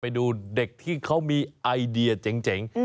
ไปดูเด็กที่เขามีไอเดียเจ๋ง